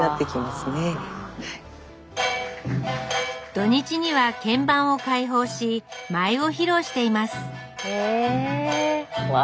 土日には見番を開放し舞を披露していますえうわ